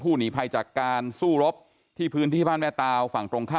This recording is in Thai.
หนีภัยจากการสู้รบที่พื้นที่บ้านแม่ตาวฝั่งตรงข้าม